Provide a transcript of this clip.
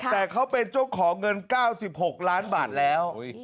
แต่เขาเป็นเจ้าของเงิน๙๖ล้านบาทแล้ว